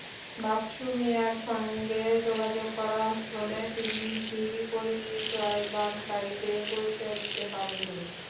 বাচ্চু মিয়ার সঙ্গে যোগাযোগ করা হলে তিনি ডিবি পরিচয়দানকারীদের পরিচয় দিতে পারেননি।